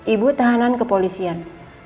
ibu tahanan kepolisian